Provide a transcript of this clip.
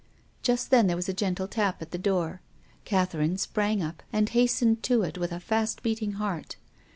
Just then there was a gentle tap on the door. Catherine sprang up, and hastened to it with a fast beating heart.